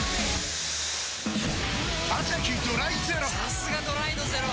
さすがドライのゼロ！